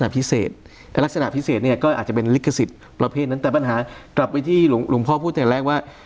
เป็นลิขสิทธิ์ประเภทนั้นแต่ปัญหากลับไปที่หลวงพ่อพูดแรกว่า